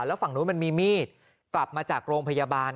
แล้วฝั่งนู้นมันมีมีดกลับมาจากโรงพยาบาล